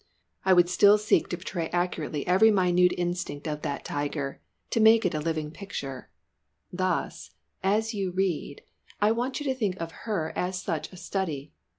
I would still seek to portray accurately every minute instinct of that Tiger, to make a living picture. Thus, as you read, I want you to think of her as such a study.